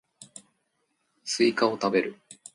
スイカを食べる